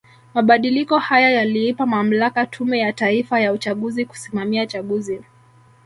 Mabadiliko haya yaliipa mamlaka Tume ya Taifa ya uchaguzi kusimamia chaguzi